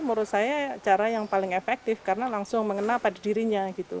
menurut saya cara yang paling efektif karena langsung mengenal pada dirinya gitu